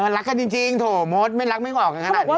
รักกันจริงโถมดไม่รักไม่ออกกันขนาดนี้